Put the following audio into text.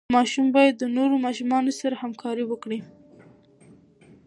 ماشوم باید د نورو ماشومانو سره همکاري وکړي.